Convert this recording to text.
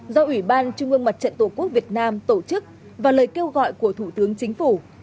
do ủy ban trung ương mặt trận tổ quốc việt nam tổ chức và lời kêu gọi của thủ tướng chính phủ